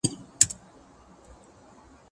زه اوږده وخت کالي وچوم وم؟